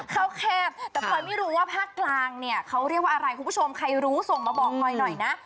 แคบแต่พลอยไม่รู้ว่าภาคกลางเนี่ยเขาเรียกว่าอะไรคุณผู้ชมใครรู้ส่งมาบอกพลอยหน่อยนะ